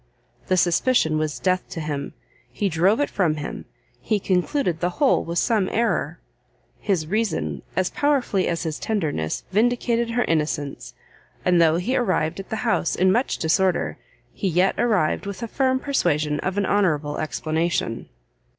The suspicion was death to him; he drove it from him, he concluded the whole was some error: his reason as powerfully as his tenderness vindicated her innocence; and though he arrived at the house in much disorder, he yet arrived with a firm persuasion of an honourable explanation.